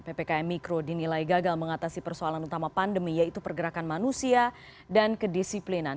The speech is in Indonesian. ppkm mikro dinilai gagal mengatasi persoalan utama pandemi yaitu pergerakan manusia dan kedisiplinan